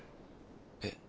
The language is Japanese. えっ？